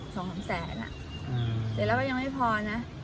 ๒๓แสนอะเดี๋ยวเราก็ยังไม่พอนะ